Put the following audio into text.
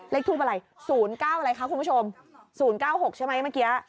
เลขทูบอะไรศูนย์เก้าอะไรคะคุณผู้ชมศูนย์เก้าหกใช่ไหมเมื่อกี้